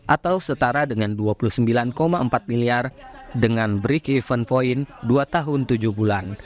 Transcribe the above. atau setara dengan dua puluh sembilan empat miliar dengan brick event point dua tahun tujuh bulan